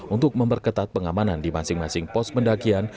untuk memperketat pengamanan di masing masing pos pendakian